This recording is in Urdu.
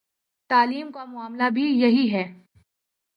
تعلیم کا معاملہ بھی یہی ہے۔